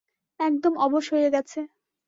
একদম অবশ হয়ে গেছে।